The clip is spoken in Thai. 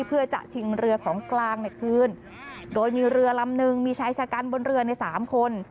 เพื่อจะชิงเรือของกลางในคืนโดยมีเรือลำนึงมีชายชะกันบนเรือในสามคน